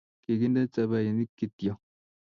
kikinde chapainik kityo